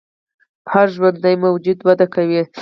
هر ژوندی موجود وده کوي